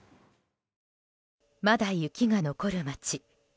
まだ雪が残る街。